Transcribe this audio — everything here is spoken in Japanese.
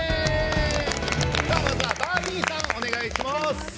まずはバービーさんお願いします。